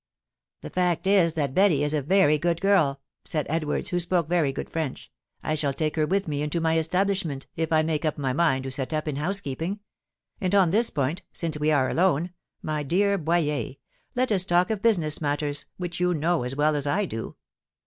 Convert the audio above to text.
"The fact is that Betty is a very good girl," said Edwards, who spoke very good French. "I shall take her with me into my establishment, if I make up my mind to set up in housekeeping; and on this point, since we are alone, my dear Boyer, let us talk of business matters which you know as well as I do."